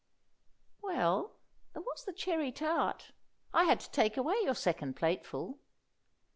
"Well, there was the cherry tart; I had to take away your second plateful."